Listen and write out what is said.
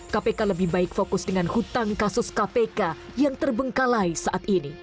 kpk lebih baik fokus dengan hutang kasus kpk yang terbengkalai saat ini